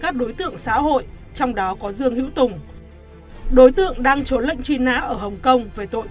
các đối tượng xã hội trong đó có dương hữu tùng đối tượng đang trốn lệnh truy nã ở hồng kông về tội